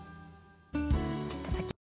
いただきます。